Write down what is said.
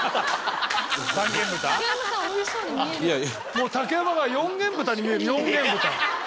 もう竹山が四元豚に見える四元豚。